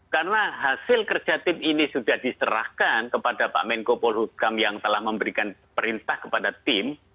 karena hasil kerja tim ini sudah diserahkan kepada pak menko polhutkam yang telah memberikan perintah kepada tim